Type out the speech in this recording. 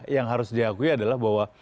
yang harus diakui adalah bahwa